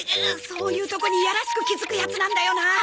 そういうとこにいやらしく気づくヤツなんだよな。